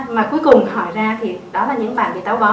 mà cuối cùng hỏi ra thì đó là những bạn bị táo bón